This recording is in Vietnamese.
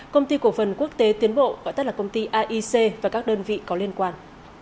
công ty cổ phần quốc tế tiến bộ gọi tắt là công ty aic và các đơn vị có liên quan